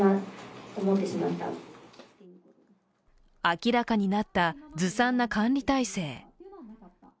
明らかになったずさんな管理体制。